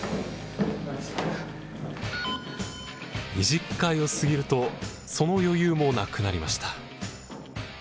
２０階を過ぎるとその余裕もなくなりました。